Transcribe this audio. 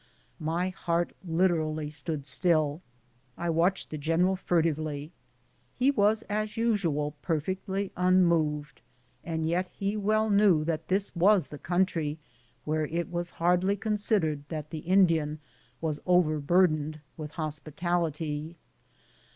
My heart literally stood still. I w^atched the general furtively. He was as usual perfectly unmoved, and yet he well knew that this was the country where it was hardly considered that the Indian was overburdened with hospitality.